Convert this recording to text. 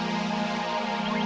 akhirnya aku l sabia